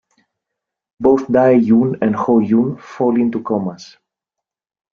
Both Dae-jun and Ho-jun fall into comas.